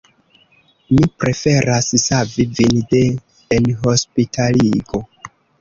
Mi preferas savi vin de enhospitaligo.